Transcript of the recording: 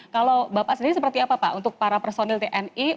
kalau bapak sendiri seperti apa pak untuk para personil tni